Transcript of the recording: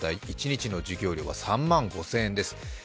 一日の授業料は３万５０００円です。